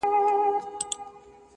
جهاني د قلم ژبه دي ګونګۍ که!.